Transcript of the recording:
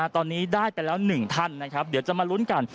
ตอนนี้ได้ไปแล้ว๑ท่านนะครับเดี๋ยวจะมาลุ้นกัน